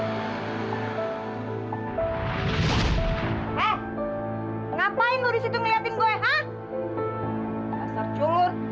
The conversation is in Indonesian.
ini mau ke mana itu